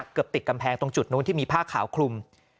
เกือบติดกำแพงตรงจุดนู้นที่มีผ้าขาวคลุม